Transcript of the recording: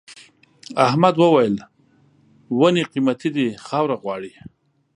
احمد وويل: ونې قيمتي دي خاوره غواړي.